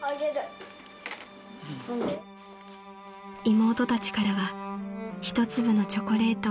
［妹たちからは一粒のチョコレート］